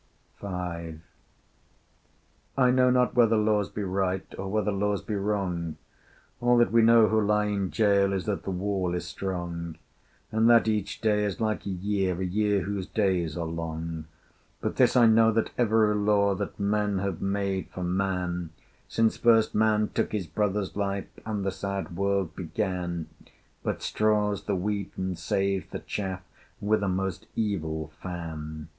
V. I know not whether Laws be right, Or whether Laws be wrong; All that we know who lie in gaol Is that the wall is strong; And that each day is like a year, A year whose days are long. But this I know, that every Law That men have made for Man, Since first Man took his brother's life, And the sad world began, But straws the wheat and saves the chaff With a most evil fan.